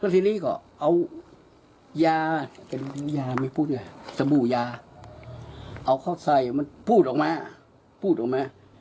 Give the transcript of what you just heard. สะบูยาเอาเข้าใส่มันพูดออกมาพูดออกมา